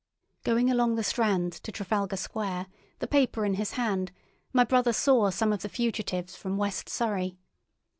Going on along the Strand to Trafalgar Square, the paper in his hand, my brother saw some of the fugitives from West Surrey.